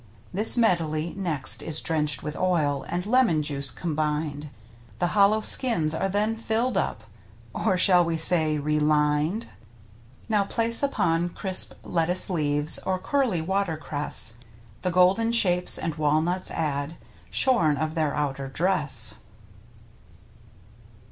This medley next is drenched with oil. And lemon juice combined, The hollow skins are then filled up, Or — shall we say — relined ? Now place upon crisp lettuce leaves, Or curly water cress, The golden shapes, and walnuts add Shorn of their outer dress.